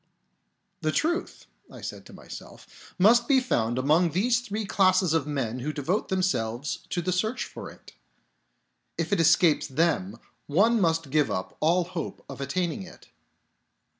" The truth," I said to myself, " must be found among these three classes of men who devote themselves to the search for it. If it escapes them, one must give up all hope of attaining it.